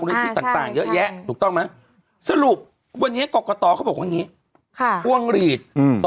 ให้ส่งได้เป็นดอกไม้อย่างเดียว